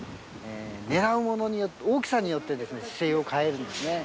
狙う大きさによって姿勢を変えるんですね。